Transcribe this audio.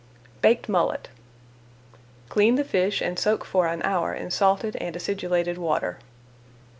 BAKED MULLET Clean the fish and soak for an hour in salted and acidulated water.